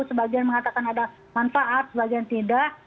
sebagian mengatakan ada manfaat sebagian tidak